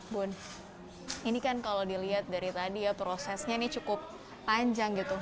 bun ini kan kalau dilihat dari tadi ya prosesnya ini cukup panjang gitu